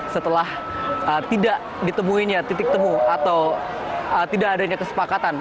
setelah tidak ditemuinya titik temu atau tidak adanya kesepakatan